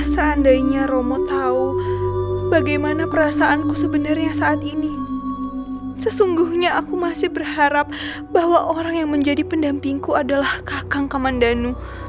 rati romo percaya kamu akan jadi istri yang baik